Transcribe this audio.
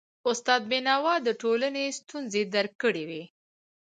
استاد بينوا د ټولنې ستونزي درک کړی وي.